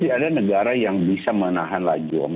tidak ada negara yang bisa menahan lagi omikron ini